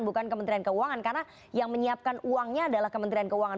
bukan kementerian keuangan karena yang menyiapkan uangnya adalah kementerian keuangan